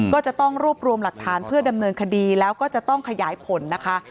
ก็จะต้องรวบรวมหลักฐานเพื่อดำเนินคดีแล้วก็จะต้องขยายผลนะคะ